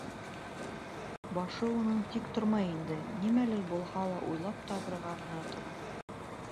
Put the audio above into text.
Башы уның тик тормай инде, нимәлер булһа ла уйлап табырға ғына тора.